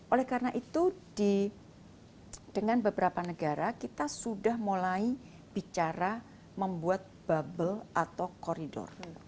oleh karena itu dengan beberapa negara kita sudah mulai bicara membuat bubble atau koridor